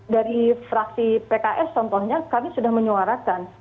dari fraksi pks contohnya kami sudah menyuarakan